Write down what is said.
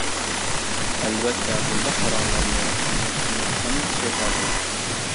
ئەلۋەتتە بۇنداق پاراڭلارنى ئاڭلاشنى ھەممە كىشى خالايدۇ.